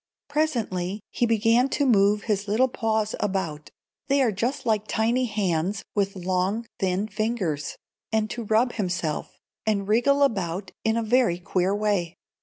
Presently he began to move his little paws about (they are just like tiny hands, with long, thin fingers), and to rub himself, and wriggle about in a very queer way.